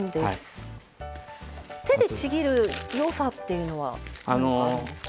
手でちぎるよさっていうのは何かあるんですか？